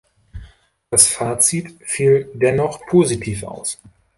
Das Fazit fiel dennoch positiv aus.